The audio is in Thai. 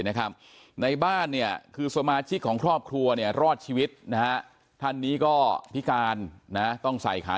มาได้อย่างหุดหวิดนะฮะ